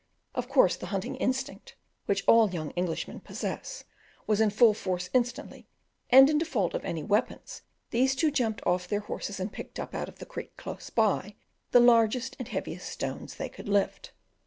Of course the hunting instinct, which all young Englishmen possess, was in full force instantly; and in default of any weapon these two jumped off their horses and picked up, out of the creek close by, the largest and heaviest stones they could lift.